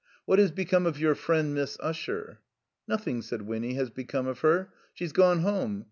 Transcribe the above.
What has become of your friend Miss Usher?" "Nothing," said Winny, has become of her. She's gone home.